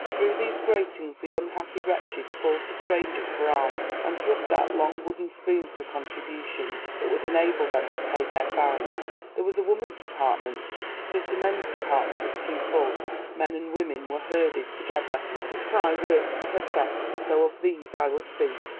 Through these gratings the unhappy wretches called to strangers for alms, and thrust out long wooden spoons for contributions, that would enable them to pay their fines. There was a woman's department; but if the men's department was too full, men and women were herded together. Mrs. Fry worked for her sex, so of these I will speak.